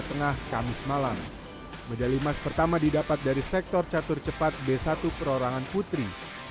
tengah kamis malam medali emas pertama didapat dari sektor catur cepat b satu perorangan putri